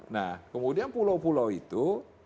nah kemudian pulau pulau itu